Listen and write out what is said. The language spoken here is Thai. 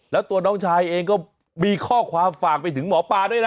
แล้วตัวน้องชายเองก็มีข้อความฝากไปถึงหมอปลาด้วยนะ